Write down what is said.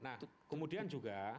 nah kemudian juga